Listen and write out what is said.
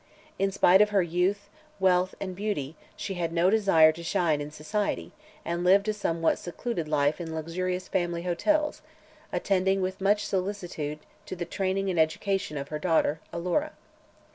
In spite of her youth, wealth, and beauty, she had no desire to shine in society and lived a somewhat secluded life in luxurious family hotels, attending with much solicitude to the training and education of her daughter Alora.